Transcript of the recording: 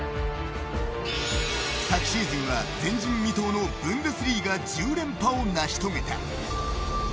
昨シーズンは前人未到のブンデスリーガ１０連覇を成し遂げた。